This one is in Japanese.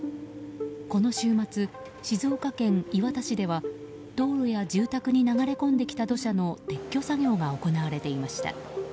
この週末、静岡県磐田市では道路や住宅に流れ込んできた土砂の撤去作業が行われていました。